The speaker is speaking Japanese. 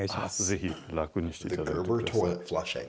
是非楽にして頂いて下さい。